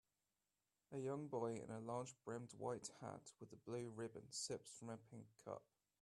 A young boy in a large brimmed white hat with a blue ribbon sips from a pink cup